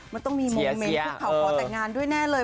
มันต้องมีโมเมนต์คุกเขาขอแต่งงานด้วยแน่เลย